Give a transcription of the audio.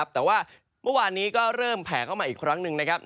แต่ว่าเมื่อวานนี้ก็เริ่มแผลกออกมาอีกครั้งหนึ่ง